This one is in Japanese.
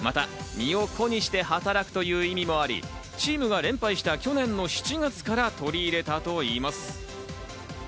また、身を粉にして働くという意味もあり、チームが連敗した去年の７月から取り入れたといいます。